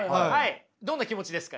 どんな気持ちですか？